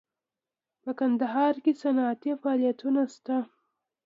په کندهار کې صنعتي فعالیتونه شته